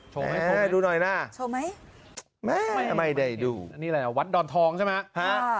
โชว์ไหมโชว์ไหมโชว์ไหมน่ะโชว์ไหมไม่ได้ดูนี่แหละวัดดอนทองใช่ไหม